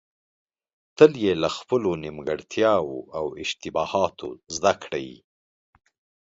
تل يې له خپلو نيمګړتياوو او اشتباهاتو زده کړئ.